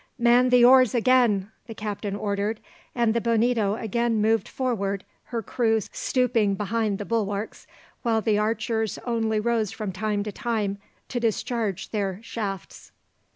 "Man the oars again!" the captain ordered, and the Bonito again moved forward, her crew stooping behind the bulwarks, while the archers only rose from time to time to discharge their shafts.